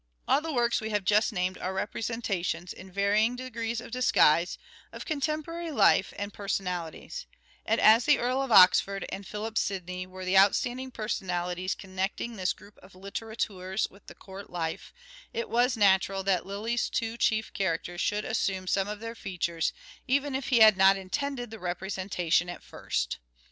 All the works we have just named are representations, in varying degrees of disguise, of contemporary life and person alities ; and as the Earl of Oxford and Philip Sidney were the outstanding personalities connecting this group of litterateurs with the court life it was natural that Lyly's two chief characters should assume some of their features, even if he had not intended the representation at first.